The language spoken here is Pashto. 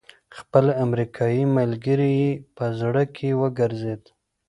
خپل امريکايي ملګری يې په زړه کې وګرځېد.